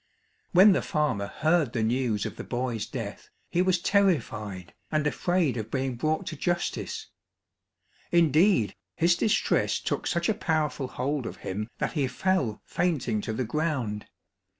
When the farmer heard the news of the boy's death he was terrified, and afraid of being brought to justice indeed, his distress took such a powerful hold of him that he fell fainting to the ground.